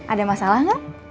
ada masalah gak